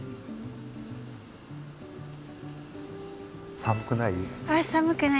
寒くない？